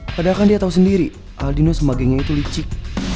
padahal kan dia tau sendiri aldino semaginya itu licik